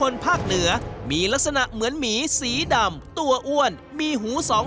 และความอุดอมสมบูรณ์